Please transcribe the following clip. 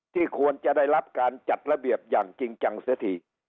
ควรจะได้รับการจัดระเบียบอย่างจริงจังเสียที